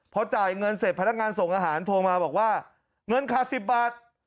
พอจ่ายเงินเสร็จพนักงานส่งอาหารโทรมาบอกว่าเงินขาด๑๐บาท